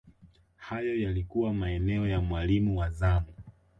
hayo yalikuwa maneno ya mwalimu wa zamu